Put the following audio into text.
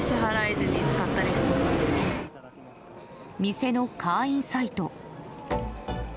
店の会員サイト。